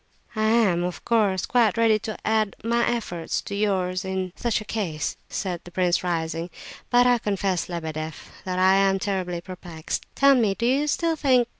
"I am, of course, quite ready to add my efforts to yours in such a case," said the prince, rising; "but I confess, Lebedeff, that I am terribly perplexed. Tell me, do you still think...